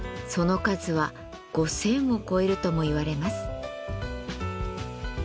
その数は５，０００を超えるともいわれます。